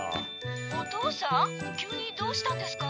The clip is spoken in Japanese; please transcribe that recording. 「おとうさん急にどうしたんですか？